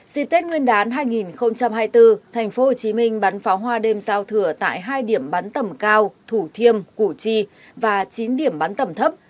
dịp tết nguyên đán hai nghìn hai mươi bốn tp hcm bắn pháo hoa đêm giao thừa tại hai điểm bắn tầm cao thủ thiêm củ chi và chín điểm bắn tầm thấp